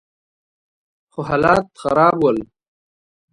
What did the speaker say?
خو حالات خراب ول.